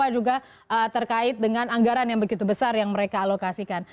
juga terkait dengan anggaran yang begitu besar yang mereka alokasikan